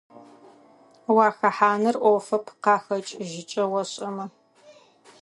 Уахэхьаныр Iофэп къахэкIыжьыкIэ ошIэмэ.